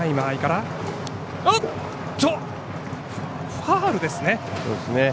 ファウルですね。